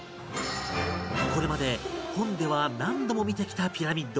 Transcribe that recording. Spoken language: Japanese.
これまで本では何度も見てきたピラミッド